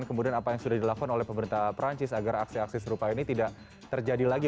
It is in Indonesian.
kemudian apa yang sudah dilakukan oleh pemerintah perancis agar aksi aksi serupa ini tidak terjadi lagi